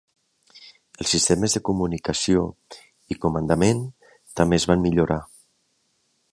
Els sistemes de comunicacions i comandament també es van millorar.